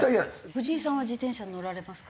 藤井さんは自転車乗られますか？